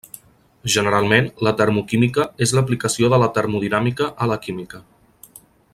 Generalment, la termoquímica és l'aplicació de la termodinàmica a la química.